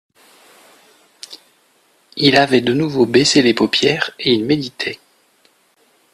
Il avait de nouveau baissé les paupières, et il méditait.